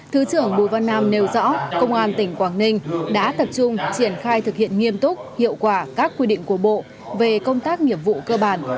thứ trưởng bùi văn nam nêu rõ công an tỉnh quảng ninh đã tập trung triển khai thực hiện nghiêm túc hiệu quả các quy định của bộ về công tác nghiệp vụ cơ bản